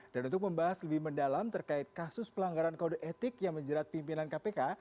dan untuk membahas lebih mendalam terkait kasus pelanggaran kode etik yang menjerat pimpinan kpk